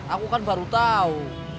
aku kan baru tau